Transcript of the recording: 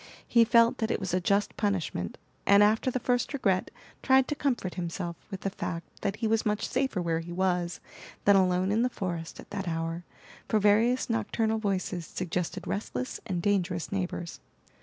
He felt that it was a just punishment, and after the first regret tried to comfort himself with the fact that he was much safer where he was than alone in the forest at that hour, for various nocturnal voices suggested restless and dangerous neighbors.